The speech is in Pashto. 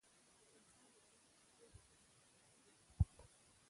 د انسان د بدن کنټرول د کوم غړي په لاس کې دی